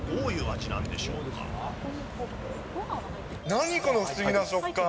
何この不思議な食感。